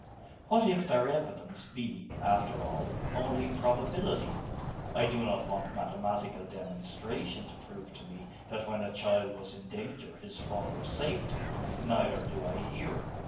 What if their evidence be, after all, only probability? I do not want mathematical demonstration to prove to me that when a child was in danger his father saved him neither do I here.